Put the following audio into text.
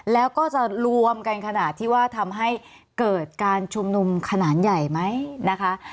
แล้วก็จะรวมกันขนาดที่ว่าทำให้เกิดการชุมนุมขนาดใหญ่ไหมนะคะ